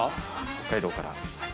北海道からはい。